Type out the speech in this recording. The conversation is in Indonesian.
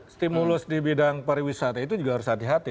stimulus di bidang pariwisata itu juga harus hati hati